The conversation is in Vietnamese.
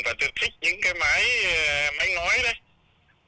và tôi thích những cái máy nói đấy